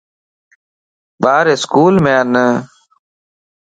ٻارا اسڪول ام ان